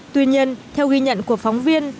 tuy nhiên theo ghi nhận của phóng viên